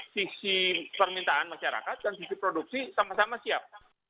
sisi permintaan masyarakat dan sisi produksi sama sama siap